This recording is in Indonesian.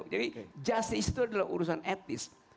jadi justice itu adalah urusan etis